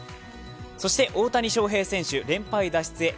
そして大谷翔平選手、連敗脱出へ。